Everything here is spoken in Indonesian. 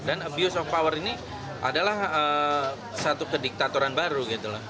dan abuse of power ini adalah satu kediktatoran baru